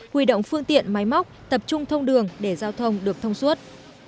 huy động phương tiện máy móc tập trung thông đường để giao thông được thông suốt